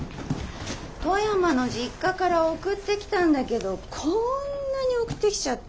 富山の実家から送ってきたんだけどこんなに送ってきちゃって。